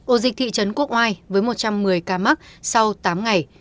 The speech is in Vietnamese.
ổ dịch thị trấn quốc oai với một trăm một mươi ca mắc sau tám ngày